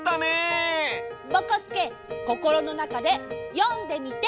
ぼこすけこころのなかでよんでみて。